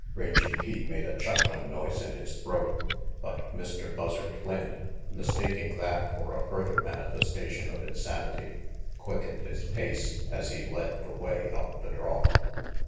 Rangy Pete made a chuckling noise in his throat, but Mr. Buzzard Flynn, mistaking that for a further manifestation of insanity, quickened his pace as he led the way up the draw.